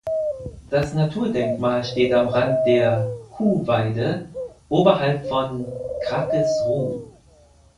Das Naturdenkmal steht am Rand der „Kuhweide“ oberhalb von "Krackes Ruh".